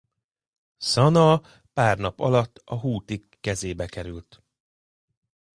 Szanaa pár nap alatt a hútik kezébe került.